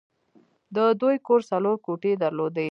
د دوی کور څلور کوټې درلودې